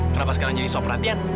kenapa sekarang jadi soal perhatian